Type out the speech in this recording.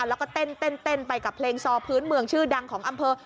แล้วก็เต้นไปกับเพลงซอพื้นเมืองชื่อดังของอำเภอ